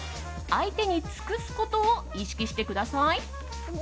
相手に尽くすことを意識してください。